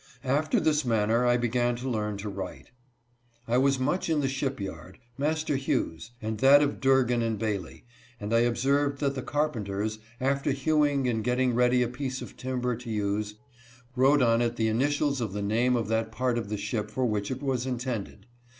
After this manner I began to learn to write. I was much in the ship yard — Master Hugh's, and that of Durgan & Bailey, and I observed that the carpenters, after hewing and getting ready a piece of timber to use, wrote on it the initials of the name of that part of the ship for which it was intended.